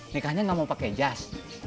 nikahnya gak mau pake jas